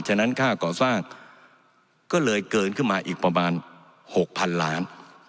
ฉะนั้นค่าก่อสร้างก็เลยเกินขึ้นมาอีกประมาณ๖๐๐๐ล้าน